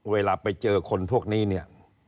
เวลาไปเจอคนพวกนี้เนี่ย